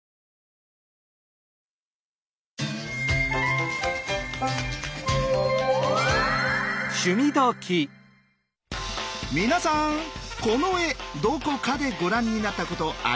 皆さんこの絵どこかでご覧になったことありませんか？